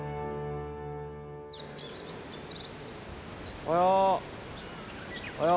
おはよう！